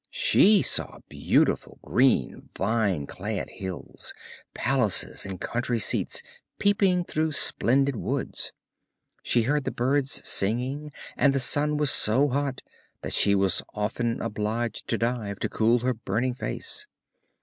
She saw beautiful green, vine clad hills; palaces and country seats peeping through splendid woods. She heard the birds singing, and the sun was so hot that she was often obliged to dive, to cool her burning face.